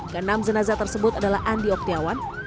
kenam jenazah tersebut adalah andi oktavio andesambon